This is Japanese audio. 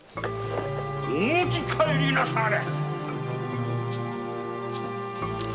お持ち帰りなされ！